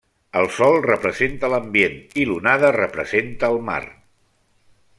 El sol representa l'ambient i l'onada representa el mar.